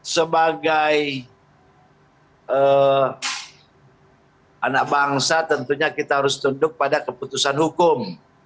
sebagai anak bangsa tentunya kita harus tunduk pada keputusan hukum